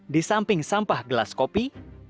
di samping sampah gelas kopi